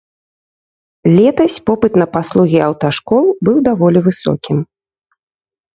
Летась попыт на паслугі аўташкол быў даволі высокім.